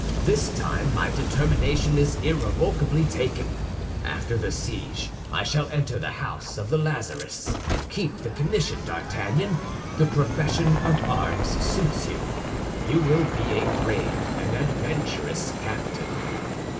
This time my determination is irrevocably taken. After the siege I shall enter the house of the Lazarists. Keep the commission, D'Artagnan; the profession of arms suits you. You will be a brave and adventurous captain."